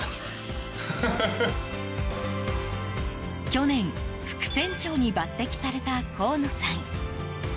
去年、副船長に抜擢された河野さん。